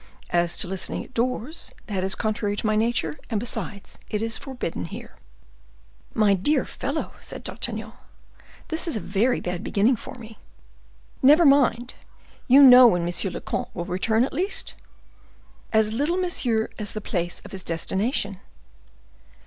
As to listening at doors, that is contrary to my nature; and besides, it is forbidden here." "My dear fellow," said D'Artagnan, "this is a very bad beginning for me. Never mind; you know when monsieur le comte will return, at least?" "As little, monsieur, as the place of his destination."